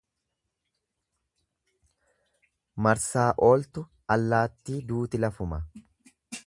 Marsaa ooltu allaattii duuti lafuma.